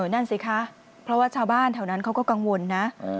นั่นสิคะเพราะว่าชาวบ้านแถวนั้นเขาก็กังวลนะ